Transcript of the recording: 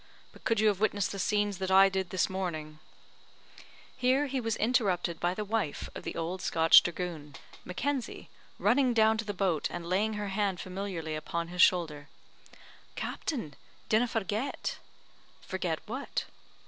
But could you have witnessed the scenes that I did this morning " Here he was interrupted by the wife of the old Scotch dragoon, Mackenzie, running down to the boat and laying her hand familiarly upon his shoulder, "Captain, dinna forget." "Forget what?"